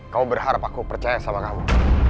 kamu berharap aku percaya sama kamu